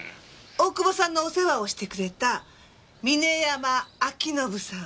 大久保さんのお世話をしてくれた峰山明信さん。